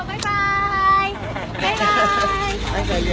กลับมาที่นี่